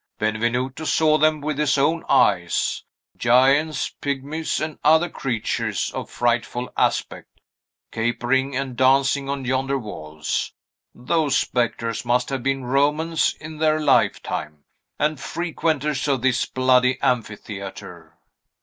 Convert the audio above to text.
Benvenuto saw them with his own eyes, giants, pygmies, and other creatures of frightful aspect, capering and dancing on yonder walls. Those spectres must have been Romans, in their lifetime, and frequenters of this bloody amphitheatre."